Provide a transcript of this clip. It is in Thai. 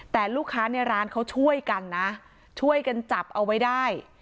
แต่ลูกค้าในร้านเขาช่วยกันนะช่วยกันจับเอาไว้ได้